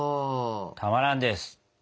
たまらんです。